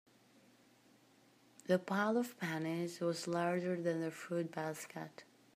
The pile of pennies was larger than the fruit basket.